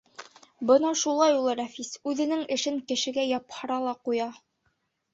Бына шулай ул Рәфис, үҙенең эшен кешегә япһара ла ҡуя.